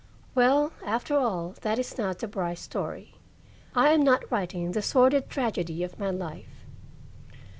Well, after all, that is not the Brice story. I am not writing the sordid tragedy of my life.